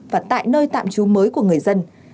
và tại nơi tạm trú mới của người dân